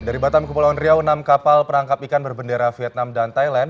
dari batam kepulauan riau enam kapal perangkap ikan berbendera vietnam dan thailand